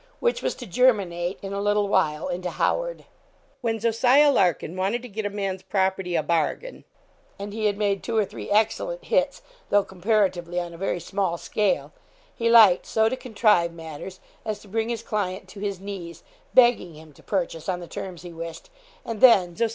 which was to germinate, in a little while, into Howard. When Jos. Larkin wanted to get a man's property a bargain and he had made two or three excellent hits, though, comparatively, on a very small scale he liked so to contrive matters as to bring his client to his knees, begging him to purchase on the terms he wished; and then Jos.